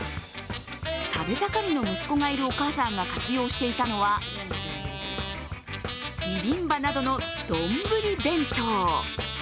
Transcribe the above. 食べ盛りの息子がいるお母さんが活用していたのはビビンバなどの丼弁当。